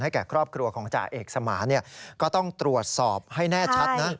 แก่ครอบครัวของจ่าเอกสมานก็ต้องตรวจสอบให้แน่ชัดนะ